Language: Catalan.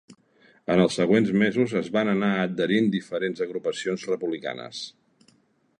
En els següents mesos es van anar adherint diferents agrupacions republicanes.